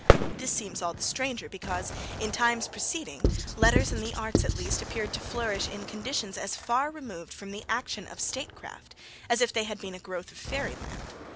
This seems all the stranger because, in times preceding, letters and the arts, at least, appeared to flourish in conditions as far removed from the action of statecraft as if they had been a growth of fairyland.